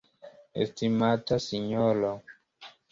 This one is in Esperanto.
Estimata Sinjoro!